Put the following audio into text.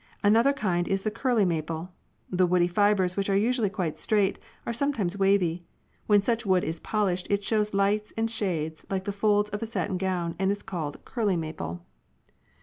Another kind is the "curly maple." The woody fibers, which are usually quite straight, are some times wavy. When such wood is polished it shows lights and shades like the folds of a satin gown, and is called " curly " maple.